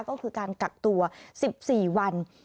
ก็คือการกักตัว๑๔วัน